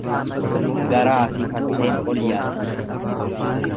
Garaafi fatteen ol yaaddi.